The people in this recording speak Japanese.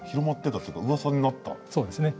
そうですね。